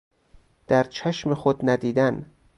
در چشم خود ندیدن